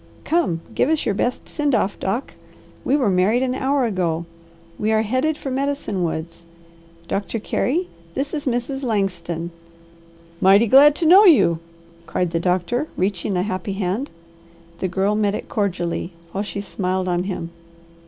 "Come, give us your best send off, Doc! We were married an hour ago. We are headed for Medicine Woods. Doctor Carey, this is Mrs. Langston." "Mighty glad to know you!" cried the doctor, reaching a happy hand. The Girl met it cordially, while she smiled on him.